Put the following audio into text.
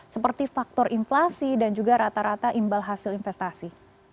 seperti faktor inflasi dan juga rata rata imbal hasil investasi